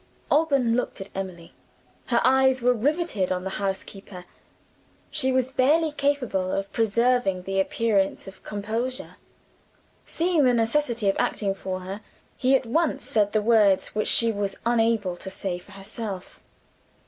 Alban looked at Emily. Her eyes were riveted on the housekeeper: she was barely capable of preserving the appearance of composure. Seeing the necessity of acting for her, he at once said the words which she was unable to say for herself.